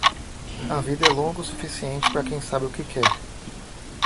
A vida é longa o suficiente para quem sabe o que quer